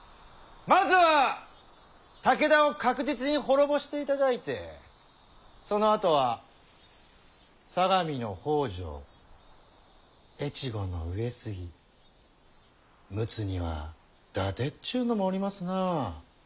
まずは武田を確実に滅ぼしていただいてそのあとは相模の北条越後の上杉陸奥には伊達っちゅうのもおりますなあ。